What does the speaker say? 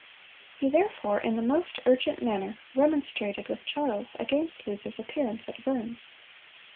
He therefore, in the most urgent manner, remonstrated with Charles against Luther's appearance at Worms.